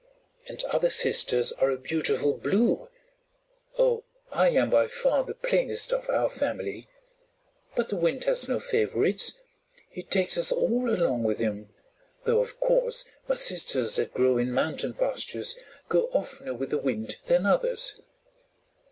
"And other sisters are a beautiful blue. Oh, I am by far the plainest of our family. But the Wind has no favorites; he takes us all along with him, though, of course, my sisters that grow in mountain pastures go oftener with the Wind than others."